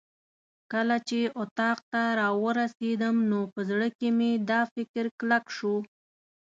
کله چې اتاق ته راورسېدم نو په زړه کې مې دا فکر کلک شو.